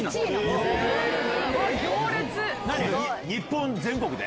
日本全国で？